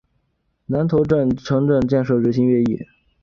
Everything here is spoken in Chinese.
南头镇城镇建设日新月异。